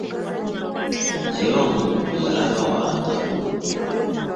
Naye omuntu yalaba wa njawulo.